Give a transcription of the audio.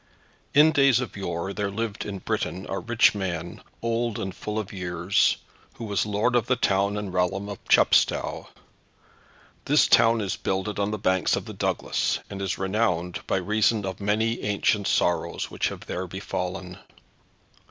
In days of yore there lived in Britain a rich man, old and full of years, who was lord of the town and realm of Chepstow. This town is builded on the banks of the Douglas, and is renowned by reason of many ancient sorrows which have there befallen.